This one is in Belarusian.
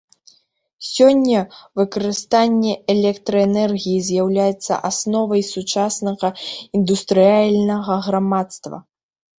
Сёння выкарыстанне электраэнергіі з'яўляецца асновай сучаснага індустрыяльнага грамадства.